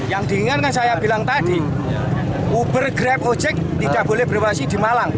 yang tadi uber grab ojek tidak boleh beroperasi di malang